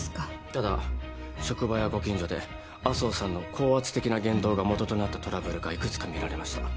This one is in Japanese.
ただ職場やご近所で安生さんの高圧的な言動がもととなったトラブルがいくつか見られました。